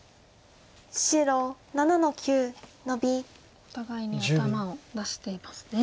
お互いに頭を出していますね。